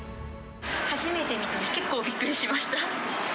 初めて見たとき、結構びっくりしました。